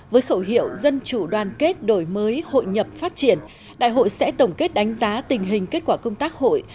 với khẩu hiệu dân chủ đoàn kết đổi mới hội nhập phát triển đại hội sẽ tổng kết đánh giá tình hình kết quả công tác hội